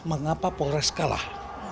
mengapa polres kalah